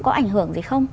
có ảnh hưởng gì không